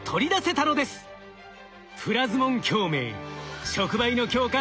プラズモン共鳴触媒の強化